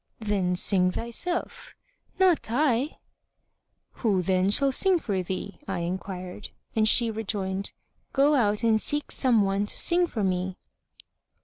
"Then sing thyself." "Not I!" "Who then shall sing for thee?" I enquired, and she rejoined, "Go out and seek some one to sing for me."